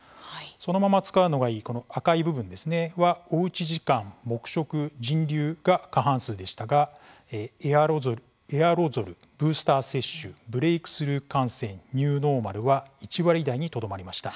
そのまま使うのがいいこの赤い部分ですね、おうち時間黙食、人流が過半数でしたがエアロゾル、ブースター接種ブレークスルー感染ニューノーマルは１割台にとどまりました。